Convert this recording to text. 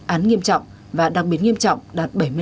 án nghiêm trọng và đặc biệt nghiêm trọng đạt bảy mươi năm